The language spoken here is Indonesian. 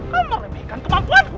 kau meremehkan kemampuanmu